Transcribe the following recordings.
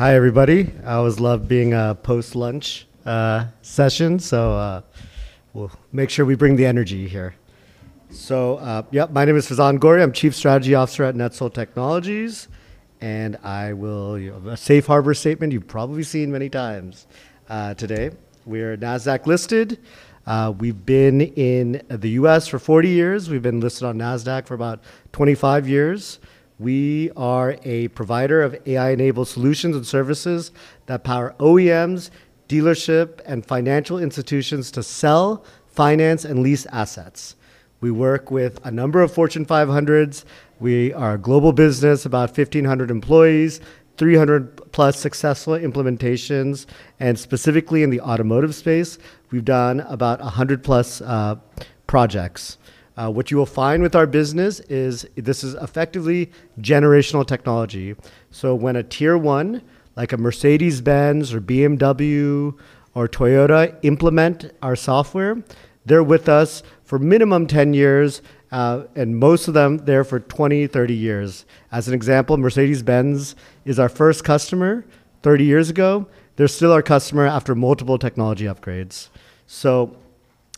Hi, everybody. I always love being a post-lunch session, we'll make sure we bring the energy here. Yeah, my name is Faizaan Ghauri. I'm Chief Strategy Officer at NetSol Technologies, and I will, you know, the safe harbor statement you've probably seen many times today. We're NASDAQ-listed. We've been in the U.S. for 40 years. We've been listed on NASDAQ for about 25 years. We are a provider of AI-enabled solutions and services that power OEMs, dealership, and financial institutions to sell, finance, and lease assets. We work with a number of Fortune 500s. We are a global business, about 1,500 employees, 300 plus successful implementations, and specifically in the automotive space, we've done about 100 plus projects. What you will find with our business is this is effectively generational technology. When a tier one, like a Mercedes-Benz or BMW or Toyota implement our software, they're with us for minimum 10 years, and most of them, they're for 20, 30 years. As an example, Mercedes-Benz is our first customer 30 years ago. They're still our customer after multiple technology upgrades.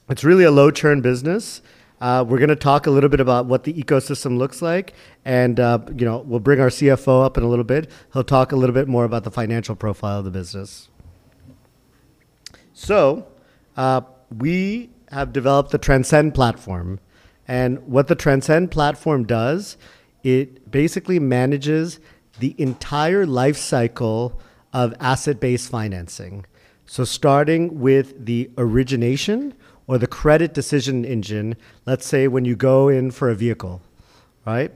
It's really a low churn business. We're gonna talk a little bit about what the ecosystem looks like and, you know, we'll bring our CFO up in a little bit. He'll talk a little bit more about the financial profile of the business. We have developed the Transcend platform, and what the Transcend platform does, it basically manages the entire life cycle of asset-based financing. Starting with the origination or the credit decision engine, let's say when you go in for a vehicle, right?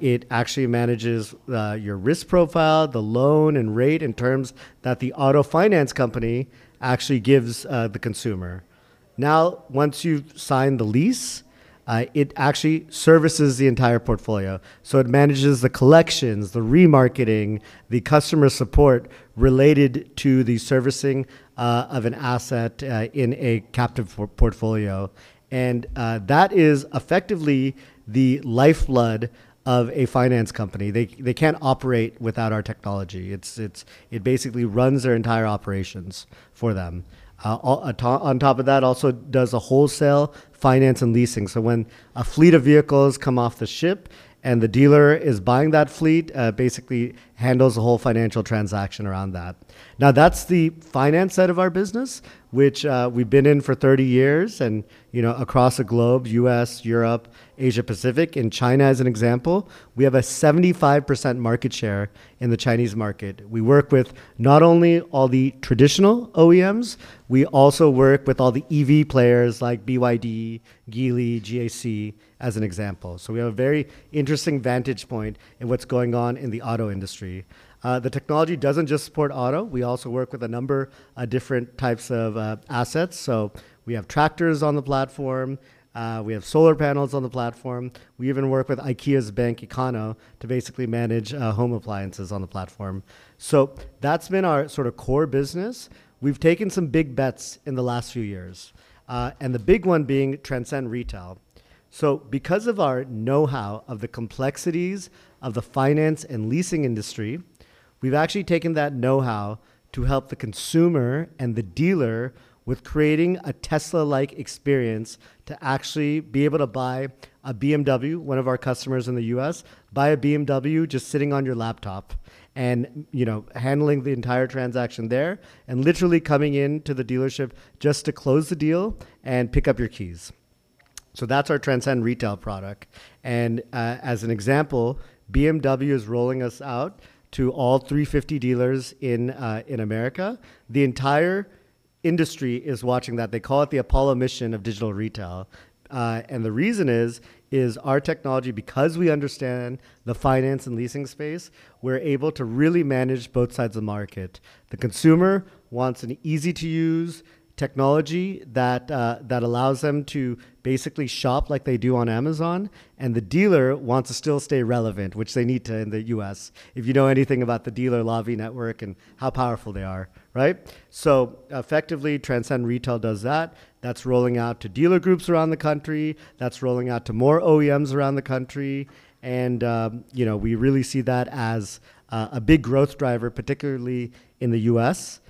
It actually manages your risk profile, the loan and rate and terms that the auto finance company actually gives the consumer. Once you've signed the lease, it actually services the entire portfolio. It manages the collections, the remarketing, the customer support related to the servicing of an asset in a captive portfolio. That is effectively the lifeblood of a finance company. They can't operate without our technology. It basically runs their entire operations for them. On top of that, also does a wholesale finance and leasing. When a fleet of vehicles come off the ship and the dealer is buying that fleet, basically handles the whole financial transaction around that. That's the finance side of our business, which we've been in for 30 years and, you know, across the globe, U.S., Europe, Asia-Pacific. In China, as an example, we have a 75% market share in the Chinese market. We work with not only all the traditional OEMs, we also work with all the EV players like BYD, Geely, GAC, as an example. The technology doesn't just support auto. We also work with a number of different types of assets. We have tractors on the platform. We have solar panels on the platform. We even work with IKEA's bank, Ingka, to basically manage home appliances on the platform. That's been our sort of core business. We've taken some big bets in the last few years, and the big one being Transcend Retail. Because of our know-how of the complexities of the finance and leasing industry, we've actually taken that know-how to help the consumer and the dealer with creating a Tesla-like experience to actually be able to buy a BMW, one of our customers in the U.S., buy a BMW just sitting on your laptop and, you know, handling the entire transaction there and literally coming into the dealership just to close the deal and pick up your keys. That's our Transcend Retail product. As an example, BMW is rolling us out to all 350 dealers in America. The entire industry is watching that. They call it the Apollo mission of digital retail. The reason is our technology, because we understand the finance and leasing space, we're able to really manage both sides of the market. The consumer wants an easy-to-use technology that allows them to basically shop like they do on Amazon, and the dealer wants to still stay relevant, which they need to in the U.S. If you know anything about the dealer lobby network and how powerful they are, right? Effectively, Transcend Retail does that. That's rolling out to dealer groups around the country. That's rolling out to more OEMs around the country. you know, we really see that as a big growth driver, particularly in the U.S.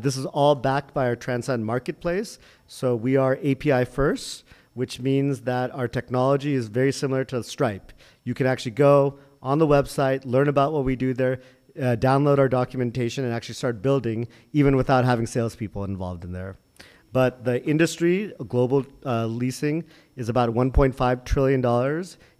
This is all backed by our Transcend Marketplace. We are API first, which means that our technology is very similar to Stripe. You can actually go on the website, learn about what we do there, download our documentation, and actually start building even without having salespeople involved in there. The industry, global, leasing, is about $1.5 trillion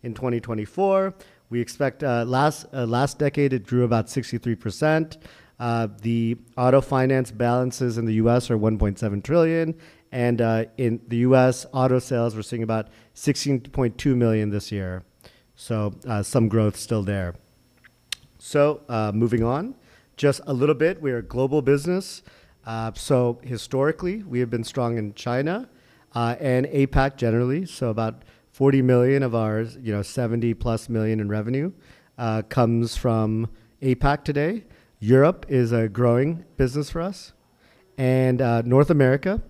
in 2024. We expect, last decade, it grew about 63%. The auto finance balances in the U.S. are $1.7 trillion. In the U.S., auto sales, we're seeing about 16.2 million this year. Some growth still there. Moving on just a little bit. We're a global business. Historically, we have been strong in China and APAC generally. About $40 million of our, you know, $70+ million in revenue, comes from APAC today. Europe is a growing business for us. North America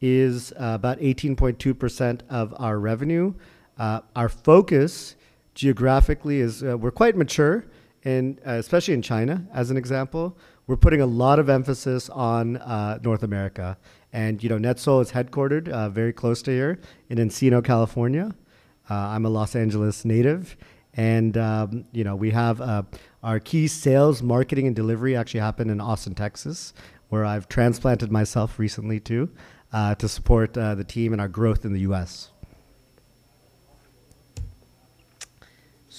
is about 18.2% of our revenue. Our focus geographically is, we're quite mature in, especially in China, as an example. We're putting a lot of emphasis on North America. You know, NetSol is headquartered very close to here in Encino, California. I'm a Los Angeles native. You know, we have our key sales, marketing, and delivery actually happen in Austin, Texas, where I've transplanted myself recently to support the team and our growth in the U.S.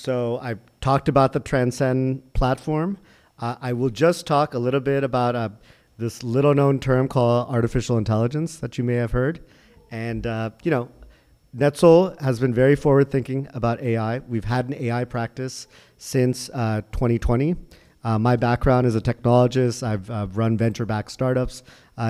I've talked about the Transcend platform. I will just talk a little bit about this little-known term called artificial intelligence that you may have heard. You know, NetSol has been very forward-thinking about AI. We've had an AI practice since 2020. My background is a technologist. I've run venture-backed startups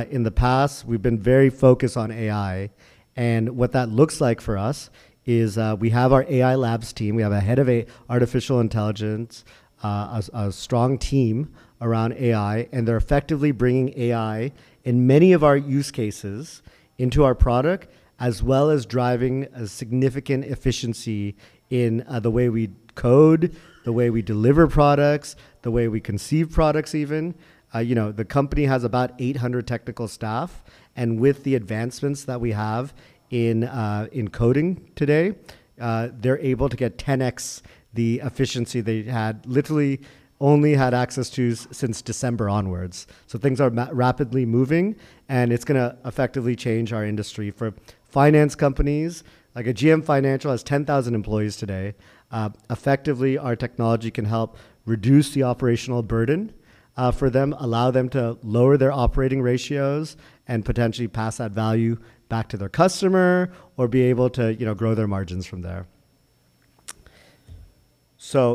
in the past. We've been very focused on AI. What that looks like for us is, we have our Transcend AI Labs team. We have a head of artificial intelligence, a strong team around AI. They're effectively bringing AI in many of our use cases into our product as well as driving a significant efficiency in the way we code, the way we deliver products, the way we conceive products even. You know, the company has about 800 technical staff. With the advancements that we have in coding today, they're able to get 10x the efficiency they had literally only had access to since December onwards. Things are rapidly moving. It's gonna effectively change our industry. For finance companies, like a GM Financial has 10,000 employees today. Effectively, our technology can help reduce the operational burden for them, allow them to lower their operating ratios and potentially pass that value back to their customer or be able to, you know, grow their margins from there.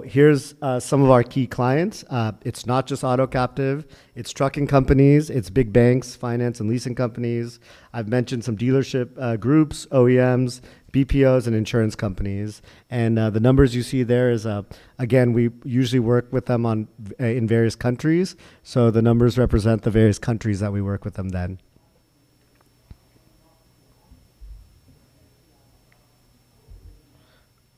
Here's some of our key clients. It's not just auto captive. It's trucking companies. It's big banks, finance and leasing companies. I've mentioned some dealership groups, OEMs, BPOs, and insurance companies. The numbers you see there is again, we usually work with them on in various countries. The numbers represent the various countries that we work with them then.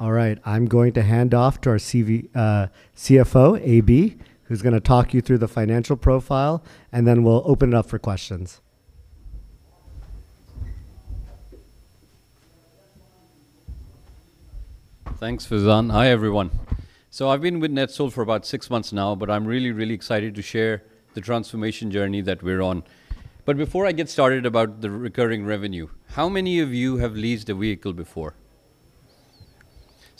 All right. I'm going to hand off to our CFO, AB, who's gonna talk you through the financial profile, and then we'll open it up for questions. Thanks, Faizaan. Hi, everyone. I've been with NetSol for about six months now, but I'm really excited to share the transformation journey that we're on. Before I get started about the recurring revenue, how many of you have leased a vehicle before?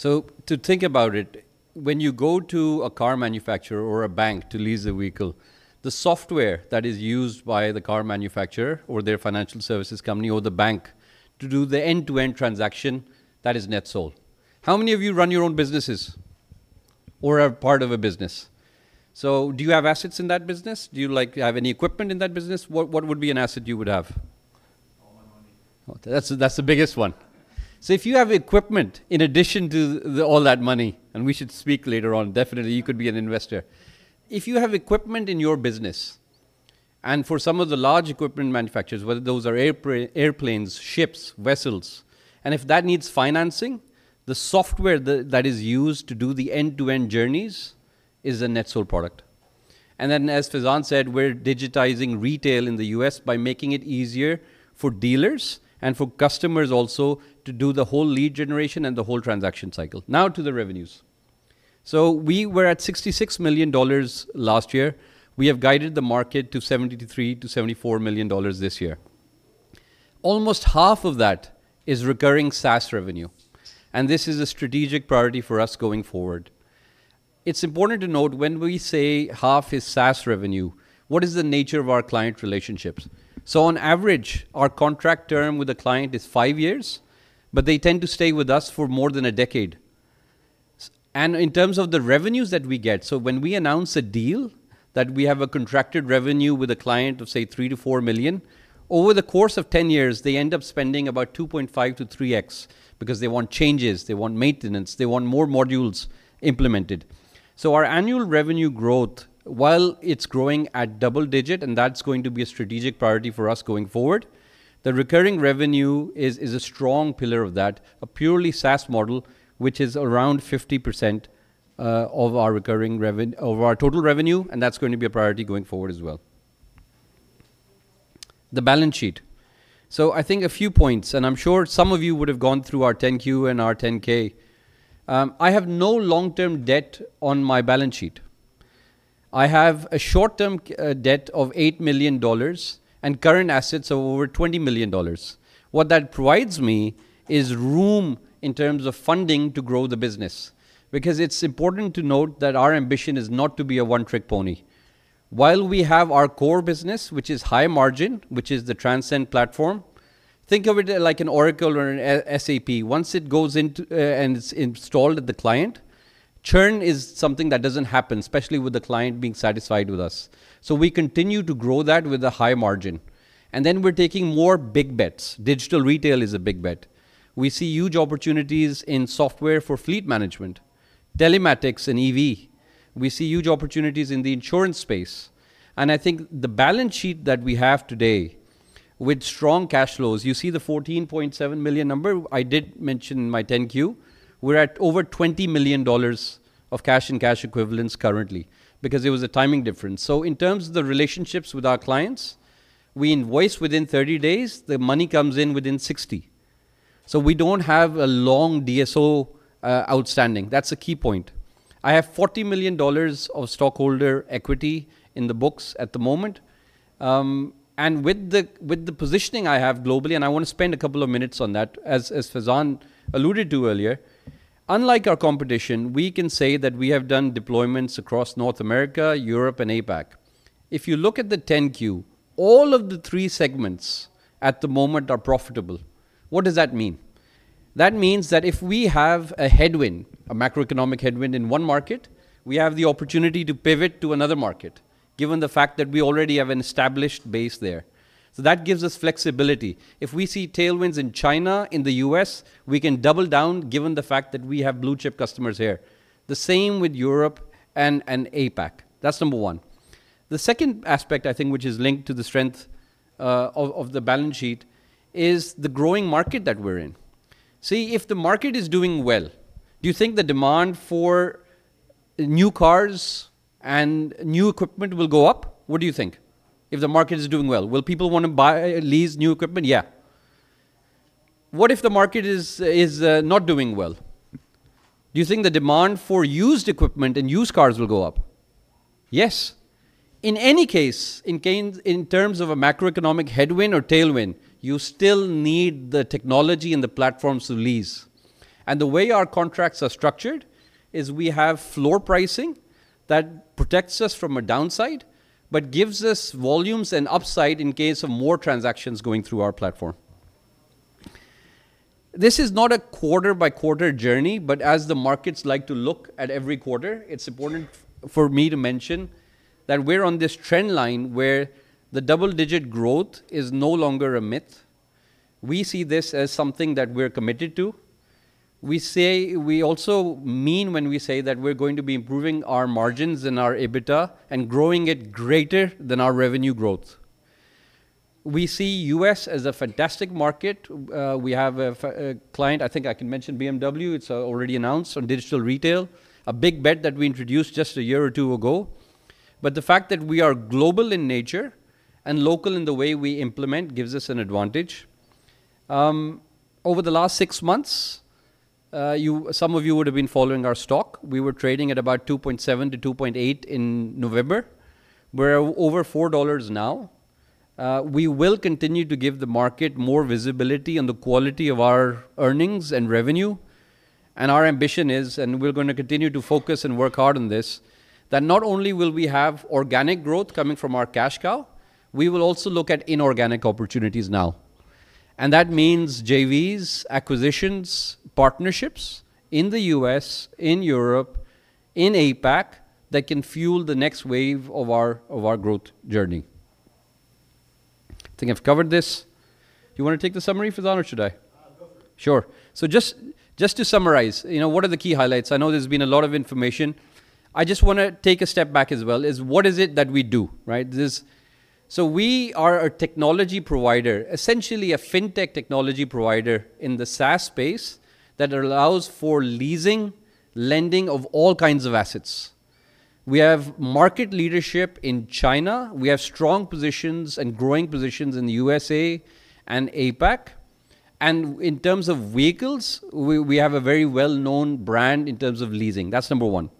To think about it, when you go to a car manufacturer or a bank to lease a vehicle, the software that is used by the car manufacturer or their financial services company or the bank to do the end-to-end transaction, that is NetSol. How many of you run your own businesses or are part of a business? Do you have assets in that business? Do you, like, have any equipment in that business? What would be an asset you would have? All my money. That's the biggest one. If you have equipment in addition to the, all that money, and we should speak later on, definitely, you could be an investor. If you have equipment in your business, and for some of the large equipment manufacturers, whether those are airplanes, ships, vessels, and if that needs financing, the software the, that is used to do the end-to-end journeys is a NetSol product. As Faizaan said, we're digitizing retail in the U.S. by making it easier for dealers and for customers also to do the whole lead generation and the whole transaction cycle. To the revenues. We were at $66 million last year. We have guided the market to $73 million-$74 million this year. Almost half of that is recurring SaaS revenue, and this is a strategic priority for us going forward. It's important to note when we say half is SaaS revenue, what is the nature of our client relationships? On average, our contract term with a client is five years, but they tend to stay with us for more than a decade. In terms of the revenues that we get, when we announce a deal that we have a contracted revenue with a client of, say, $3 million-$4 million, over the course of 10 years, they end up spending about 2.5x-3x because they want changes, they want maintenance, they want more modules implemented. Our annual revenue growth, while it's growing at double-digit, and that's going to be a strategic priority for us going forward, the recurring revenue is a strong pillar of that, a purely SaaS model, which is around 50% of our total revenue, and that's going to be a priority going forward as well. The balance sheet. I think a few points, and I'm sure some of you would have gone through our 10-Q and our 10-K. I have no long-term debt on my balance sheet. I have a short-term debt of $8 million and current assets of over $20 million. What that provides me is room in terms of funding to grow the business because it's important to note that our ambition is not to be a one-trick pony. While we have our core business, which is high margin, which is the Transcend platform, think of it like an Oracle or an SAP. Once it goes into, and it's installed at the client, churn is something that doesn't happen, especially with the client being satisfied with us. We continue to grow that with a high margin. We're taking more big bets. Digital retail is a big bet. We see huge opportunities in software for fleet management. Telematics and EV. We see huge opportunities in the insurance space. I think the balance sheet that we have today with strong cash flows, you see the $14.7 million number I did mention in my 10-Q. We're at over $20 million of cash and cash equivalents currently because it was a timing difference. In terms of the relationships with our clients, we invoice within 30 days, the money comes in within 60. We don't have a long DSO outstanding. That's a key point. I have $40 million of stockholder equity in the books at the moment. And with the positioning I have globally, and I wanna spend a couple of minutes on that, as Faizaan alluded to earlier, unlike our competition, we can say that we have done deployments across North America, Europe, and APAC. If you look at the 10-Q, all of the three segments at the moment are profitable. What does that mean? That means that if we have a headwind, a macroeconomic headwind in one market, we have the opportunity to pivot to another market, given the fact that we already have an established base there. That gives us flexibility. If we see tailwinds in China, in the U.S., we can double down given the fact that we have blue-chip customers here. The same with Europe and APAC. That's number one. The second aspect, I think, which is linked to the strength of the balance sheet is the growing market that we're in. If the market is doing well, do you think the demand for new cars and new equipment will go up? What do you think? If the market is doing well, will people wanna buy, lease new equipment? Yeah. What if the market is not doing well? Do you think the demand for used equipment and used cars will go up? Yes. In any case, in terms of a macroeconomic headwind or tailwind, you still need the technology and the platforms to lease. The way our contracts are structured is we have floor pricing that protects us from a downside, but gives us volumes and upside in case of more transactions going through our platform. This is not a quarter-by-quarter journey, but as the markets like to look at every quarter, it's important for me to mention that we're on this trend line where the double-digit growth is no longer a myth. We see this as something that we're committed to. We also mean when we say that we're going to be improving our margins and our EBITDA and growing it greater than our revenue growth. We see U.S. as a fantastic market. We have a client, I think I can mention BMW, it's already announced on digital retail, a big bet that we introduced just a year or two ago. The fact that we are global in nature and local in the way we implement gives us an advantage. Over the last six months, some of you would have been following our stock. We were trading at about 2.7-2.8 in November. We're over $4 now. We will continue to give the market more visibility on the quality of our earnings and revenue. Our ambition is, and we're gonna continue to focus and work hard on this, that not only will we have organic growth coming from our cash cow, we will also look at inorganic opportunities now. That means JVs, acquisitions, partnerships in the U.S., in Europe, in APAC, that can fuel the next wave of our growth journey. I think I've covered this. You wanna take the summary, Faizaan, or should I? Go for it. Just to summarize, you know, what are the key highlights? I know there's been a lot of information. I just wanna take a step back as well is what is it that we do, right? We are a technology provider, essentially a fintech technology provider in the SaaS space that allows for leasing, lending of all kinds of assets. We have market leadership in China. We have strong positions and growing positions in the USA and APAC. In terms of vehicles, we have a very well-known brand in terms of leasing. That's number one.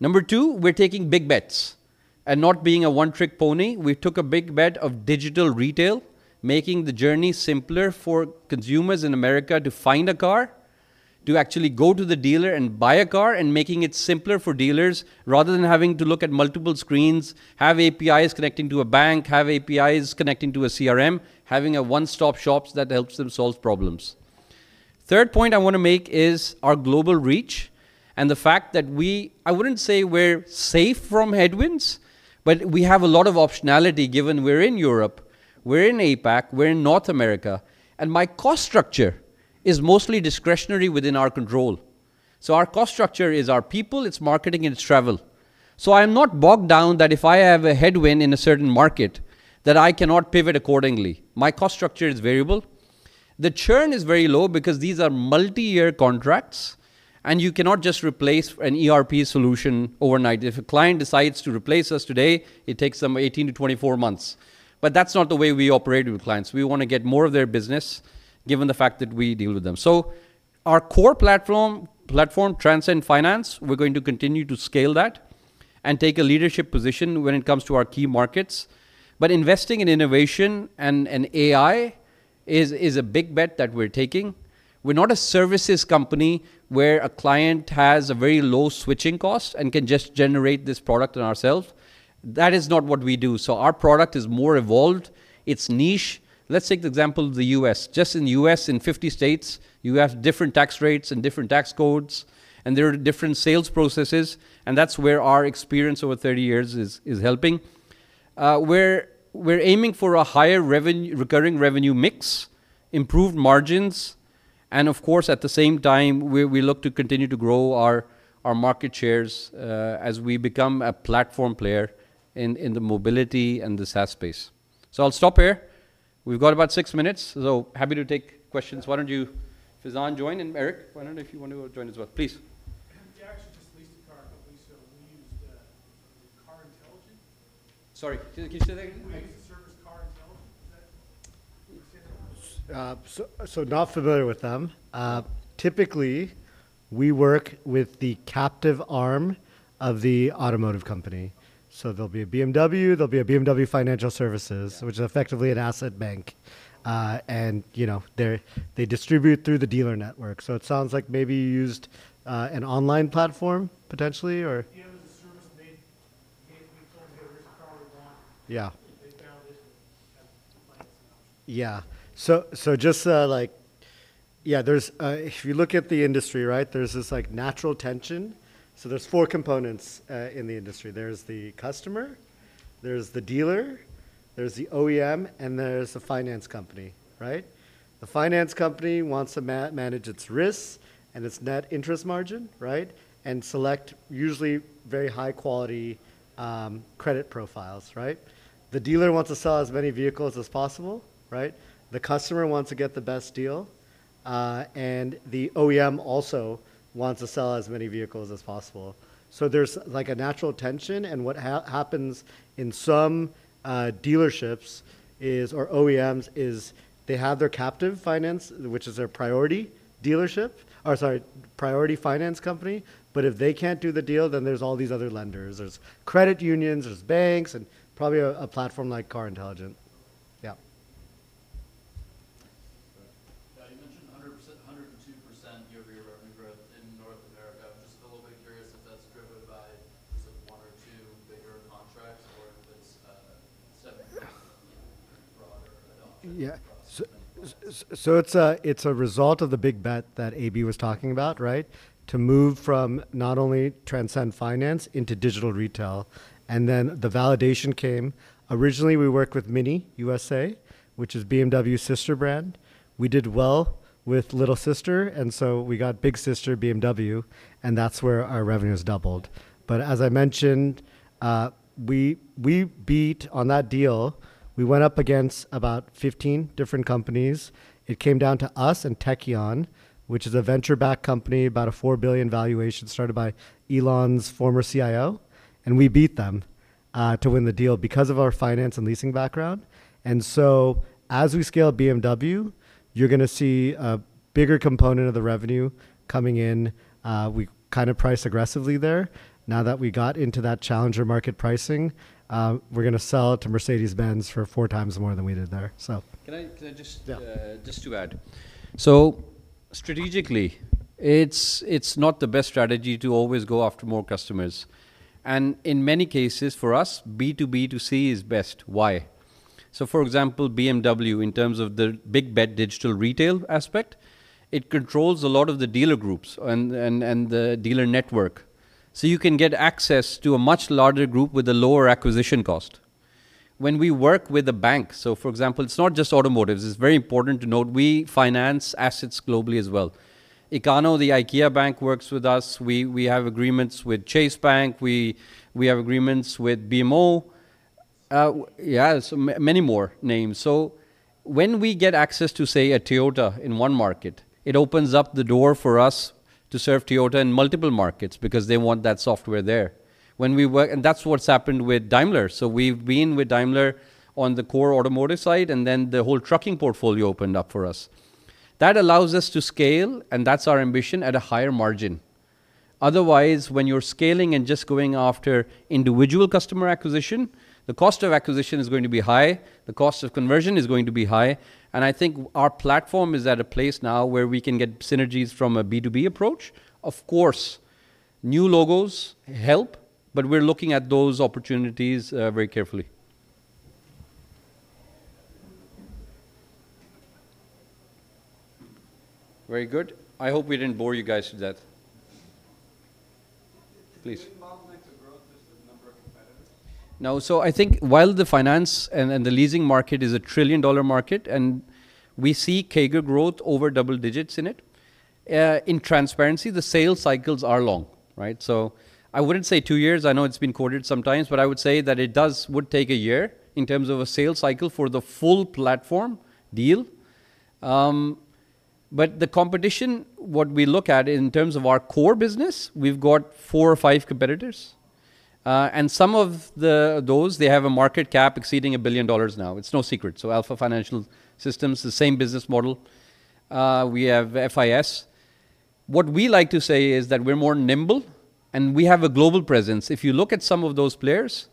Number two, we're taking big bets and not being a one-trick pony. We took a big bet of digital retail, making the journey simpler for consumers in America to find a car, to actually go to the dealer and buy a car, and making it simpler for dealers rather than having to look at multiple screens, have APIs connecting to a bank, have APIs connecting to a CRM, having a one-stop shop that helps them solve problems. Third point I wanna make is our global reach and the fact that I wouldn't say we're safe from headwinds, but we have a lot of optionality given we're in Europe, we're in APAC, we're in North America, and my cost structure is mostly discretionary within our control. Our cost structure is our people, it's marketing, and it's travel. I'm not bogged down that if I have a headwind in a certain market, that I cannot pivot accordingly. My cost structure is variable. The churn is very low because these are multi-year contracts, and you cannot just replace an ERP solution overnight. If a client decides to replace us today, it takes them 18-24 months. That's not the way we operate with clients. We wanna get more of their business given the fact that we deal with them. Our core platform Transcend Finance, we're going to continue to scale that and take a leadership position when it comes to our key markets. Investing in innovation and AI is a big bet that we're taking. We're not a services company where a client has a very low switching cost and can just generate this product on ourselves. That is not what we do. Our product is more evolved. It's niche. Let's take the example of the U.S. Just in the U.S., in 50 states, you have different tax rates and different tax codes, and there are different sales processes, and that's where our experience over 30 years is helping. We're aiming for a higher recurring revenue mix, improved margins, and of course, at the same time, we look to continue to grow our market shares as we become a platform player in the mobility and the SaaS space. I'll stop here. We've got about 6 minutes, so happy to take questions. Why don't you, Faizaan, join, and Eric, why don't if you want to join as well, please. We actually just leased a car a couple weeks ago. We used, Cartelligent? Sorry. Can you say that again please? We used the service Cartelligent. Is that? Not familiar with them. Typically, we work with the captive arm of the automotive company. There'll be a BMW, there'll be a BMW Financial Services. Yeah which is effectively an asset bank. You know, they distribute through the dealer network. It sounds like maybe you used an online platform potentially. It was a service they gave. We told them the original car we want. Yeah. They found it and financed it. Yeah. Just, Yeah, there's, if you look at the industry, right, there's this, like, natural tension. There's four components in the industry. There's the customer, there's the dealer, there's the OEM, and there's the finance company, right? The finance company wants to manage its risks and its net interest margin, right? And select usually very high quality credit profiles, right? The dealer wants to sell as many vehicles as possible, right? The customer wants to get the best deal, and the OEM also wants to sell as many vehicles as possible. There's, like, a natural tension, and what happens in some dealerships is, or OEMs, is they have their captive finance, which is their priority dealership. Or sorry, priority finance company. If they can't do the deal, then there's all these other lenders. There's credit unions, there's banks, and probably a platform like Cartelligent. Yeah. All right. Yeah, you mentioned 100%, 102% year-over-year revenue growth in North America. Just a little bit curious if that's driven by sort of one or two bigger contracts, or if it's broader adoption across many partners? Yeah. It's a result of the big bet that AB was talking about, right? To move from not only Transcend Finance into digital retail, the validation came. Originally, we worked with MINI USA, which is BMW's sister brand. We did well with little sister, we got big sister, BMW, and that's where our revenue's doubled. As I mentioned, we beat on that deal, we went up against about 15 different companies. It came down to us and Tekion, which is a venture-backed company, about a $4 billion valuation, started by Elon's former CIO, we beat them to win the deal because of our finance and leasing background. As we scale BMW, you're gonna see a bigger component of the revenue coming in. We kinda priced aggressively there. Now that we got into that challenger market pricing, we're gonna sell to Mercedes-Benz for four times more than we did there. Can I just. Yeah Just to add. Strategically, it's not the best strategy to always go after more customers. In many cases, for us, B2B2C is best. Why? For example, BMW, in terms of the big bet digital retail aspect, it controls a lot of the dealer groups and, and the dealer network. You can get access to a much larger group with a lower acquisition cost. When we work with a bank, for example, it's not just automotives. It's very important to note we finance assets globally as well. Ikano, the IKEA bank, works with us. We have agreements with Chase Bank. We have agreements with BMO. Yeah, many more names. When we get access to, say, a Toyota in one market, it opens up the door for us to serve Toyota in multiple markets because they want that software there. That's what's happened with Daimler. We've been with Daimler on the core automotive side, and then the whole trucking portfolio opened up for us. That allows us to scale, and that's our ambition, at a higher margin. Otherwise, when you're scaling and just going after individual customer acquisition, the cost of acquisition is going to be high, the cost of conversion is going to be high, and I think our platform is at a place now where we can get synergies from a B2B approach. Of course, new logos help, but we're looking at those opportunities very carefully. Very good. I hope we didn't bore you guys with that. Please. Do you model rates of growth versus the number of competitors? I think while the finance and the leasing market is a $1 trillion market, and we see CAGR growth over double digits in it, in transparency, the sales cycles are long, right? I wouldn't say two years. I know it's been quoted sometimes, but I would say that it would take one year in terms of a sales cycle for the full platform deal. But the competition, what we look at in terms of our core business, we've got four or five competitors. Some of those, they have a market cap exceeding $1 billion now. It's no secret. Alfa Financial Software, the same business model. We have FIS. What we like to say is that we're more nimble, and we have a global presence. If you look at some of those players,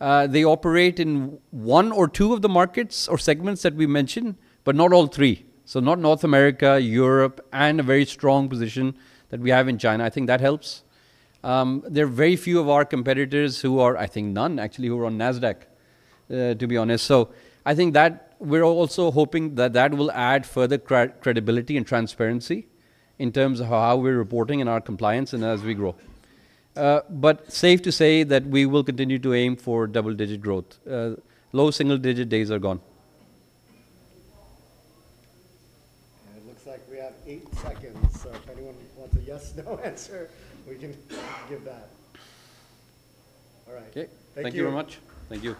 they operate in one or two of the markets or segments that we mentioned, but not all three. Not North America, Europe, and a very strong position that we have in China. I think that helps. There are very few of our competitors who are, I think none actually, who are on NASDAQ, to be honest. I think that we're also hoping that that will add further credibility and transparency in terms of how we're reporting and our compliance and as we grow. Safe to say that we will continue to aim for double-digit growth. Low single-digit days are gone. It looks like we have eight seconds, so if anyone wants a yes/no answer, we can give that. All right. Okay. Thank you. Thank you very much. Thank you.